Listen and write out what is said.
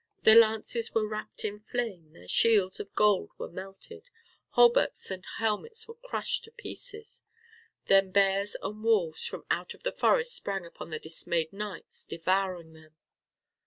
Their lances were wrapped in flame, their shields of gold were melted, hauberks and helmets were crushed to pieces. Then bears and wolves from out the forests sprang upon the dismayed knights, devouring them.